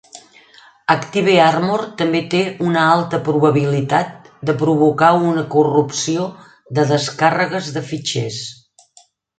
ActiveArmor també té una alta probabilitat de provocar una corrupció de descàrregues de fitxers.